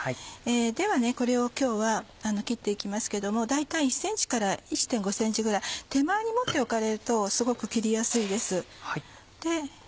ではこれを今日は切って行きますけども大体１ｃｍから１．５ｃｍぐらい手前に持って置かれるとすごく切りやすいです。